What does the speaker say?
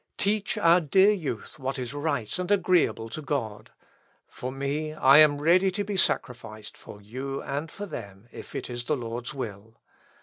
Teach our dear youth what is right and agreeable to God. For me, I am ready to be sacrificed for you and for them, if it is the Lord's will.